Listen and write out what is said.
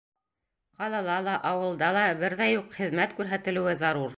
Ҡалала ла, ауылда ла берҙәй үк хеҙмәт күрһәтелеүе зарур.